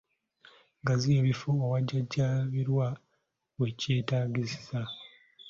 Gaziya ebifo awajjanjabirwa we kyetaagisiza.